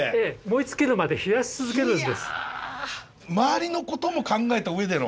周りのことも考えた上での。